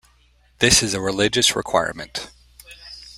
This is a religious requirement.